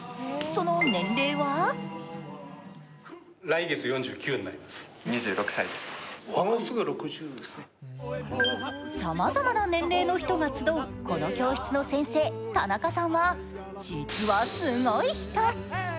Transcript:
その年齢はさまざま年齢の人が集う、この教室の先生田中さんは実はすごい人。